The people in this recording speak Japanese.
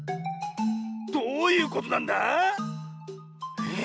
どういうことなんだ⁉えっ。